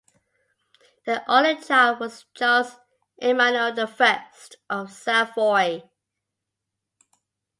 Their only child was Charles Emmanuel I of Savoy.